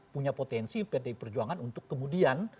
punya potensi pdi perjuangan untuk kemudian